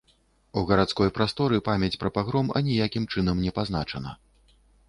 У гарадской прасторы памяць пра пагром аніякім чынам не пазначана.